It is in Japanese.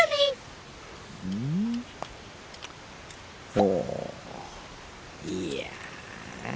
ほういや。